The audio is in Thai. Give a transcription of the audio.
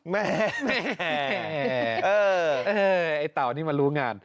แม่แม่เออเออไอ้เต่านี่มันรู้งาน